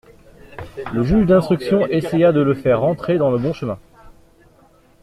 Le juge d'instruction essaya de le faire rentrer dans le bon chemin.